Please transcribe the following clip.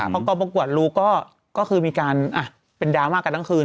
พอกองประกวดรู้ก็คือมีการเป็นดราม่ากันทั้งคืน